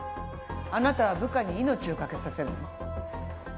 あなたは部下に命をかけさせるの？